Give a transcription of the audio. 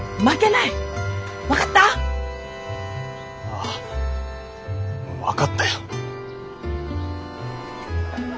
ああ分かったよ。